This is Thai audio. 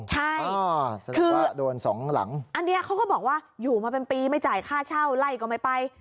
ใช่คืออันนี้เขาก็บอกว่าอยู่มาเป็นปีไม่จ่ายค่าเช่าไล่กันไป